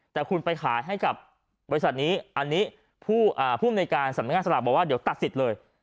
แต่คุณไปขายให้กับบริษัทนี้อันนี้ผู้อำนวยการสำนักงานสลากบอกว่าเดี๋ยวตัดสิทธิ์เลย